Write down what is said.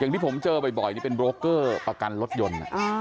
ที่ผมเจอบ่อยนี่เป็นโรคเกอร์ประกันรถยนต์